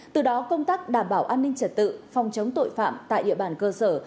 từ đó công tác đảm bảo an ninh trật tự phòng chống tội phạm tại địa bàn cơ sở